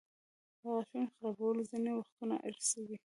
د غاښونو خرابوالی ځینې وختونه ارثي وي.